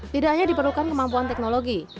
tidak hanya diperlukan kemampuan teknologi